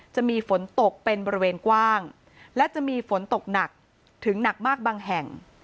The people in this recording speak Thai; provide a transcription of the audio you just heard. จะมีฝนตกเป็นบริเวณกว้างและจะมีฝนตกหนักถึงหนักมากบางแห่ง